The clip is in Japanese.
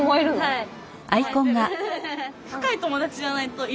はい。